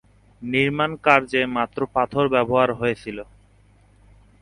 নির্মাণ কার্যে মাত্র পাথর ব্যবহার হয়েছিল।